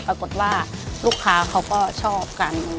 ปรากฏว่าลูกค้าเขาก็ชอบกัน